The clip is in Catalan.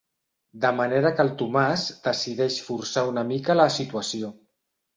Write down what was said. De manera que el Tomàs decideix forçar una mica la situació.